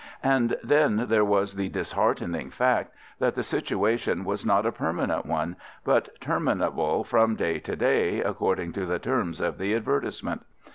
And then there was the disheartening fact that the situation was not a permanent one, but terminable from day to day, according to the terms of the advertisement.